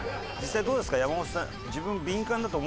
実際どうですか？